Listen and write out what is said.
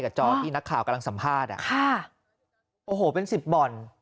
จอที่นักข่าวกำลังสัมภาษณ์อ่ะค่ะโอ้โหเป็นสิบบ่อน